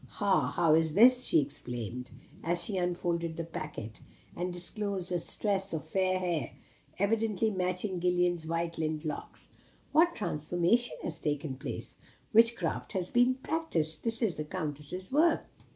Ha! how is this?" she exclaimed, as she unfolded the packet, and disclosed a tress of fair hair, evidently matching Gillian's lint white locks. "What transformation has taken place! Witchcraft has been practised. This is the Countess's work."